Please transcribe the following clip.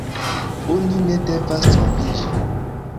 Oni ne devas trompiĝi.